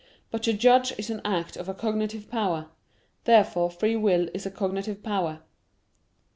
But to judge is an act of a cognitive power. Therefore free will is a cognitive power.